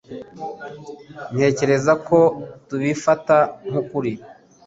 Ntekereza ko tubifata nk'ukuri